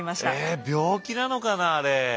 え病気なのかなあれ！？